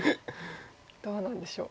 どうなんでしょう。